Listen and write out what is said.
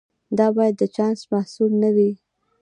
دا باید د چانس محصول نه وي.